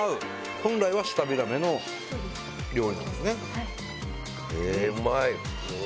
本来は舌平目の料理なんですえー、うまい。